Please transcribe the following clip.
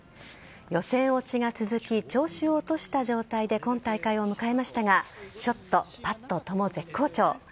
予選落ちが続き調子を落とした状態で今大会を迎えましたがショット、パットとも絶好調。